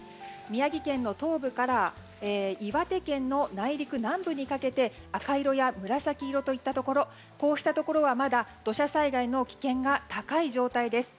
宮城県の東部から岩手県の内陸南部にかけて赤色や紫色といったところこうしたところは、まだ土砂災害の危険が高い状態です。